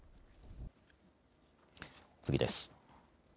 次です。